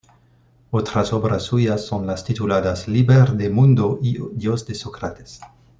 Otras obras suyas son las tituladas "Liber de mundo" y "Dios de Sócrates".